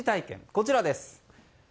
こちらです。